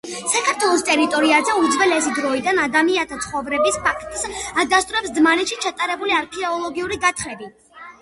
საქართველოს ტერიტორიაზე უძველესი დროიდან ადამიანთა ცხოვრების ფაქტს ადასტურებს დმანისში ჩატარებული არქეოლოგიური გათხრები